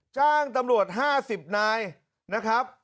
จ้างตำรวจ๕๐นายนะครับ